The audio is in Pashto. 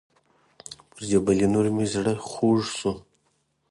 پر جبل النور مې زړه خوږ شو.